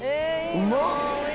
うまっ！